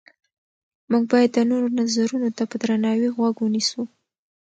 موږ باید د نورو نظرونو ته په درناوي غوږ ونیسو